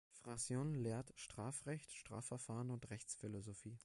Francione lehrt Strafrecht, Strafverfahren und Rechtsphilosophie.